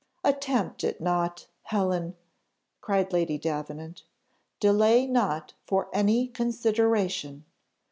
"Attempt it not, Helen," cried Lady Davenant; "delay not for any consideration.